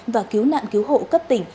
và cứu nạn cứu hộ cấp tỉnh